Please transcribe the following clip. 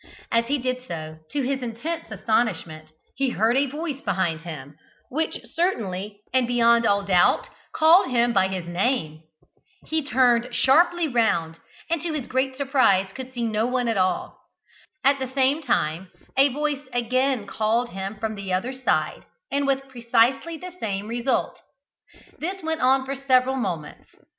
As he did so, to his intense astonishment he heard a voice behind him, which certainly, and beyond all doubt, called him by his name. He turned sharply round, and to his great surprise could see no one at all. At the same time a voice again called him from the other side, and with precisely the same result. This went on for several moments.